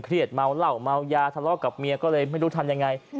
เมาเหล้าเมายาทะเลาะกับเมียก็เลยไม่รู้ทำยังไง